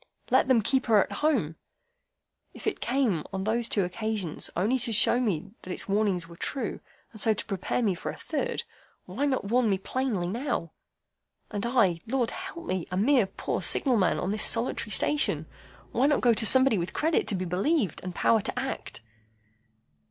Let them keep her at home'? If it came, on those two occasions, only to show me that its warnings were true, and so to prepare me for the third, why not warn me plainly now? And I, Lord help me! A mere poor signal man on this solitary station! Why not go to somebody with credit to be believed, and power to act?"